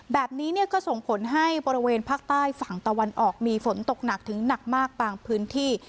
แบบนี้ก็ส่งผลให้บริเวณภาคใต้ฝั่งตะวันออกมีฝนตกหนักถึงหนักมากบางพื้นที่